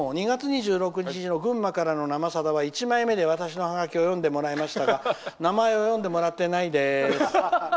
「２月２６日の群馬からの「生さだ」では１枚目で私のハガキを読んでもらいましたが名前を読んでもらってないです。